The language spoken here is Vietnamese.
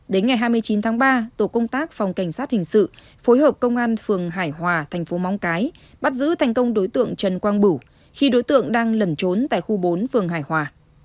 đến ngày hai mươi chín tháng ba tổ công tác phòng cảnh sát hình sự phối hợp công an phường hải hòa thành phố móng cái bắt giữ thành công đối tượng trần quang bửu khi đối tượng đang lẩn trốn tại khu bốn phường hải hòa